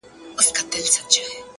درد چي په دردونو کي راونغاړه!!